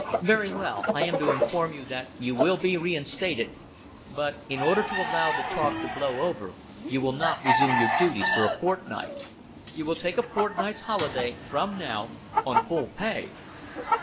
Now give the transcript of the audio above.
"Very well. I am to inform you that you will be reinstated; but in order to allow the talk to blow over you will not resume your duties for a fortnight. You will take a fortnight's holiday from now on full pay."